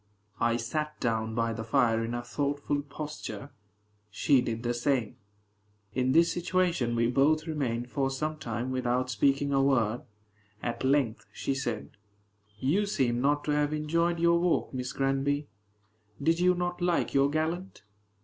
I sat down by the fire in a thoughtful posture. She did the same. In this situation we both remained for some time without speaking a word. At length she said, "You seem not to have enjoyed your walk, Miss Granby: did you not like your gallant?"